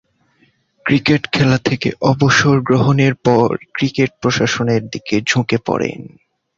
Cricket খেলা থেকে অবসর গ্রহণের পর ক্রিকেট প্রশাসনের দিকে ঝুঁকে পড়েন।